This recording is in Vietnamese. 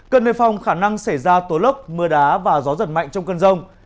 cơn mây phong khả năng xảy ra tố lốc mưa đá và gió giật mạnh trong cơn rông